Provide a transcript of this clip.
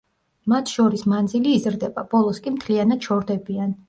მათ შორის მანძილი იზრდება, ბოლოს კი მთლიანად შორდებიან.